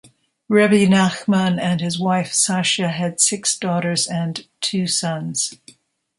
Rebbe Nachman and his wife Sashia had six daughters and two sons.